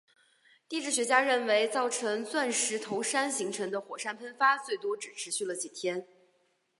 地质学家认为造成钻石头山形成的火山喷发最多只持续了几天。